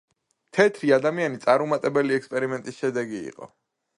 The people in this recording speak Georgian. თეთრი ადამიანი წარუმატებელი ექსპერიმენტის შედეგი იყო.